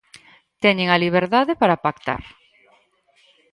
Teñen a liberdade para pactar.